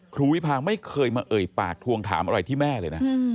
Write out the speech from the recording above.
วิพาไม่เคยมาเอ่ยปากทวงถามอะไรที่แม่เลยนะ